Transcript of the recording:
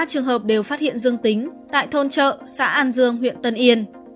ba trường hợp đều phát hiện dương tính tại thôn chợ xã an dương huyện tân yên